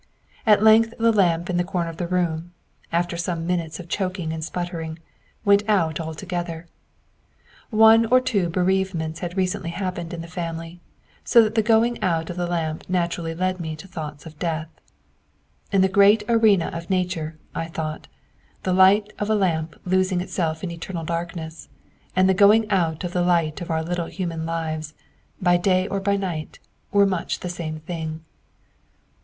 At length the lamp in the corner of the room, after some minutes of choking and spluttering, went out altogether. One or two bereavements had recently happened in the family, so the going out of the lamp naturally led me to thoughts of death. In the great arena of nature, I thought, the light of a lamp losing itself in eternal darkness, and the going out of the light of our little human lives, by day or by night, were much the same thing.